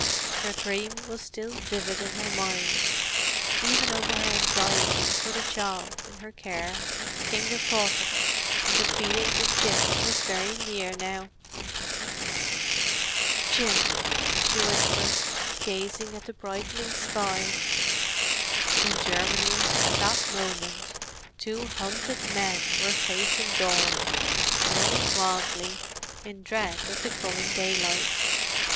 Her dream was still vivid in her mind; even over her anxiety for the child in her care came the thought of it, and the feeling that Jim was very near now. "Jim!" she whispered, gazing at the brightening sky. In Germany, at that moment, two hunted men were facing dawn—running wildly, in dread of the coming daylight.